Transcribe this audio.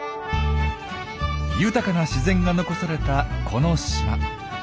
豊かな自然が残されたこの島。